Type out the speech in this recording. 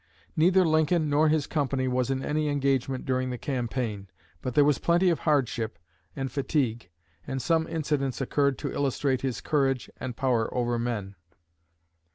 Neither Lincoln nor his company was in any engagement during the campaign, but there was plenty of hardships and fatigue, and some incidents occurred to illustrate his courage and power over men."